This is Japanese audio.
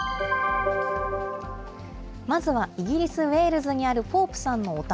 まずは、イギリス・ウェールズにあるポープさんのお宅。